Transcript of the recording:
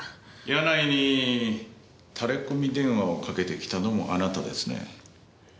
柳井にタレコミ電話をかけてきたのもあなたですね？